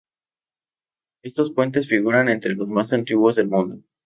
Estos puentes figuran entre los más antiguos del mundo.